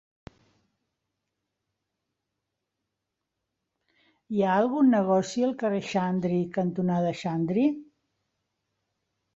Hi ha algun negoci al carrer Xandri cantonada Xandri?